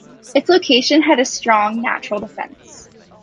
Its location had strong natural defenses.